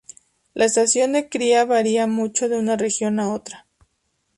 La estación de cría varía mucho de una región a otra.